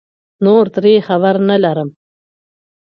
نور ترې خبر نه لرم